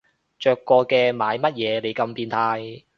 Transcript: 着過嘅買乜嘢你咁變態